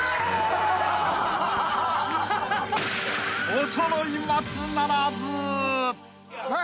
［おそろい松ならず！］